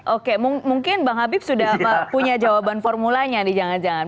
oke mungkin bang habib sudah punya jawaban formulanya nih jangan jangan